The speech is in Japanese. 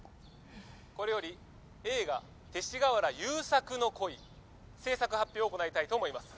これより映画『勅使河原優作の恋』製作発表を行いたいと思います。